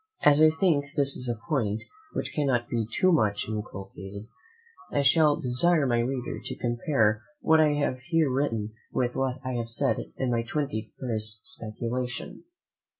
As I think this is a point which cannot be too much inculcated, I shall desire my reader to compare what I have here written with what I have said in my twenty first speculation.